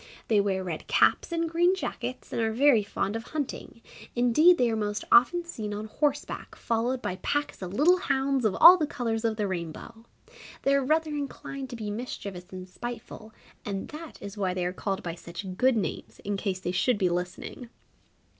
They wear red caps and green jackets and are very fond of hunting indeed they are most often seen on horseback followed by packs of little hounds of all the colours of the rainbow. They are rather inclined to be mischievous and spiteful, and that is why they are called by such good names, in case they should be listening!